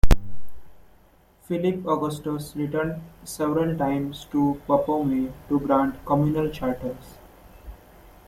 Philip Augustus returned several times to Bapaume to grant communal charters.